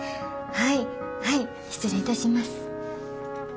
はいはい失礼いたします。